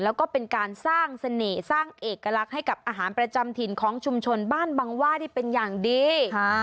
แล้วก็เป็นการสร้างเสน่ห์สร้างเอกลักษณ์ให้กับอาหารประจำถิ่นของชุมชนบ้านบังว่าได้เป็นอย่างดี